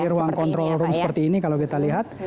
di ruang kontrol seperti ini kalau kita lihat